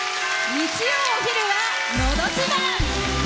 日曜お昼は「のど自慢」。